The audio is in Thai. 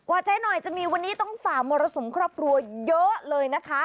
ใจหน่อยจะมีวันนี้ต้องฝ่ามรสุมครอบครัวเยอะเลยนะคะ